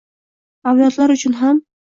Avlodlar uchun ham